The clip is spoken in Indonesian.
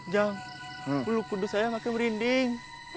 jam bulu kudus saya makin merinding